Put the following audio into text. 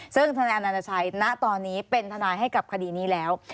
ซึ่งธนายอนาชัยณตอนนี้เป็นทนายให้กับคดีนี้แล้ว